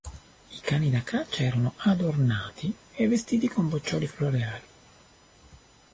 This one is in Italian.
I cani da caccia erano adornati e vestiti con boccioli floreali.